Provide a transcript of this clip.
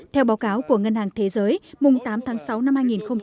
theo báo cáo của ngân hàng thế giới mùng tám tháng sáu năm hai nghìn hai mươi